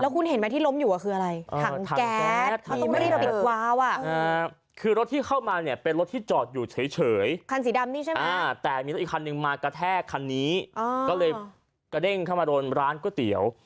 ก็เลยกระเด้งเข้ามาโรนร้านก๋วยเตี๋ยว